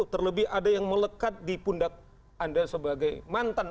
terlebih ada yang melekat di pundak anda sebagai mantan